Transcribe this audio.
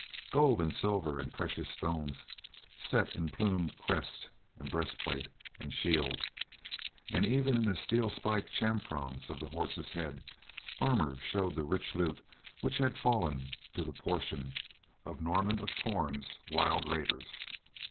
Gold and silver and precious stones set in plumed crest and breastplate and shield, and even in the steel spiked chamfrons of the horses' head armor showed the rich loot which had fallen to the portion of Norman of Torn's wild raiders.